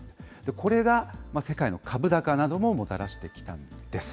これが世界の株高などももたらしてきたんです。